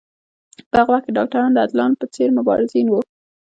په هغه وخت کې ډاکټران د اتلانو په څېر مبارزین وو.